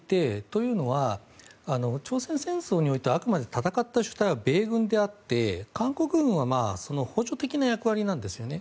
というのは、朝鮮戦争においてあくまで戦った主体は米軍であって、韓国軍はその補助的な役割なんですね。